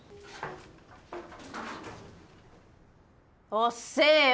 おっせーよ！